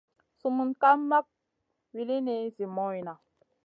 Sumun ka mak wulini zi moyna.